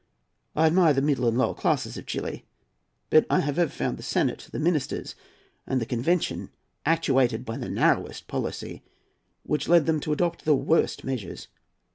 I admire the middle and lower classes of Chili, but I have ever found the senate, the ministers, and the convention actuated by the narrowest policy, which led them to adopt the worst measures.